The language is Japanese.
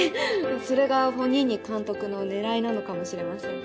それがフォニーニ監督の狙いなのかもしれませんね。